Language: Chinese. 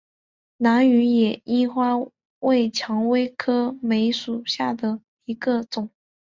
兰屿野樱花为蔷薇科梅属下的一个种。